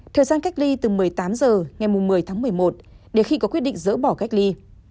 thời gian cách ly từ một mươi tám h ngày một mươi tháng một mươi một để khi có quyết định dỡ bỏ cách ly